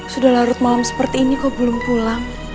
sudah larut malam seperti ini kok belum pulang